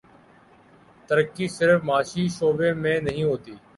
ترقی صرف معاشی شعبے میں نہیں ہوتی۔